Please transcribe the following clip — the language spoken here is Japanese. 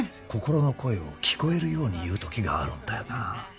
心の声を聞こえるように言うときがあるんだよな